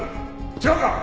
違うか？